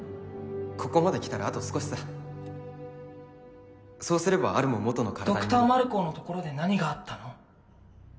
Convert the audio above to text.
ここまで来たらあと少しさそうすればアルも元の体にドクター・マルコーのところで何があったの？